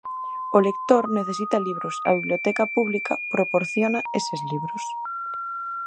O lector necesita libros, a biblioteca pública proporciona eses libros.